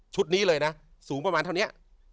นี้เลยนะสูงประมาณเท่านี้